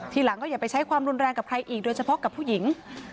หลังก็อย่าไปใช้ความรุนแรงกับใครอีกโดยเฉพาะกับผู้หญิง